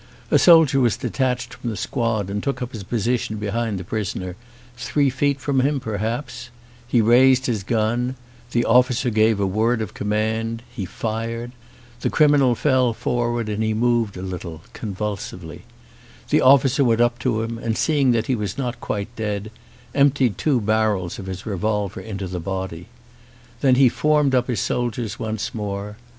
A soldier was detached from the squad and took up his position behind the prisoner, three feet from him perhaps; he raised his gun; the officer gave the word of command ; he fired. The criminal fell forward and he moved a little, convulsively. The officer went up to him, and seeing that he was not quite dead emptied two barrels of his revolver into the body. Then he formed up his soldiers once more.